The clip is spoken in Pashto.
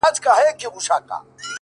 خدايه ښامار د لمر رڼا باندې راوښويدی!